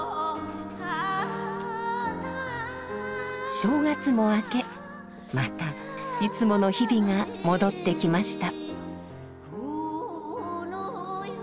正月も明けまたいつもの日々が戻ってきました。